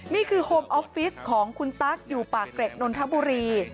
นี่คือโฮมออฟฟิศของคุณตั๊กอยู่ป่าเกรกนนทบุรี